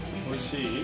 おいしい？